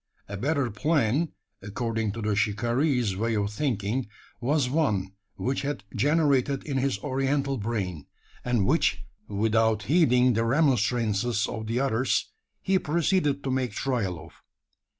A better plan according to the shikaree's way of thinking was one which had generated in his oriental brain; and which, without heeding the remonstrances of the others, he proceeded to make trial of.